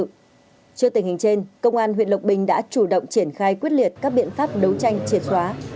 trước tình hình trên công an huyện lộc bình đã chủ động triển khai quyết liệt các biện pháp đấu tranh triệt xóa